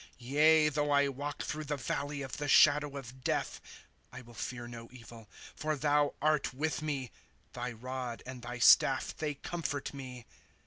* Yea, though I walk through the valley of the shadow of death, I will fear no evil, for thou art with me ; Thy rod and thy staff they comfort me.